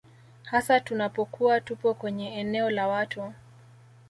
hasa tunapokuwa tupo kwenye eneo la watu